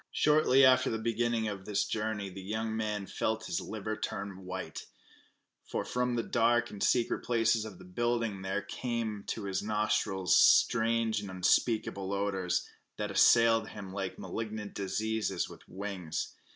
Shortly after the beginning of this journey the young man felt his liver turn white, for from the dark and secret places of the building there suddenly came to his nostrils strange and unspeakable odors, that assailed him like malignant diseases with wings.